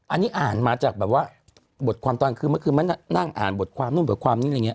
อันนี้อ่านมาจากแบบว่าบทความตอนคือเมื่อคืนมันนั่งอ่านบทความนู่นบทความนี้อะไรอย่างนี้